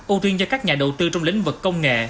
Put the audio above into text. ưu tiên cho các nhà đầu tư trong lĩnh vực công nghệ